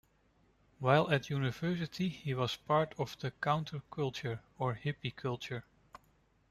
While at university he was part of the counter culture, or hippie culture.